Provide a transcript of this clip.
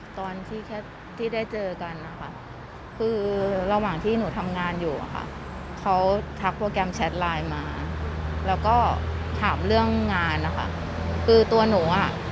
ตอนที่แค่ที่ได้เจอกันนะคะคือระหว่างที่หนูทำงานอยู่อะค่ะเขาทักโปรแกรมแชทไลน์มาแล้วก็ถามเรื่องงานนะคะคือตัวหนูอ่ะ